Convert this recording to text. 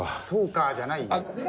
「そうか」じゃないよ！